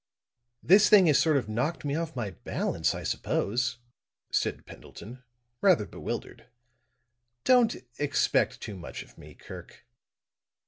"This thing has sort of knocked me off my balance, I suppose," said Pendleton, rather bewildered. "Don't expect too much of me, Kirk."